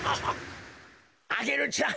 アゲルちゃん